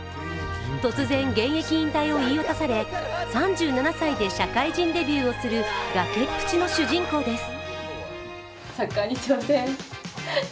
突然、現役引退を言い渡され３７歳で社会人デビューをする崖っぷちの主人公です。